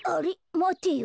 まてよ。